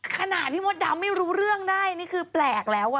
ขนาดพี่มดดำไม่รู้เรื่องได้นี่คือแปลกแล้ว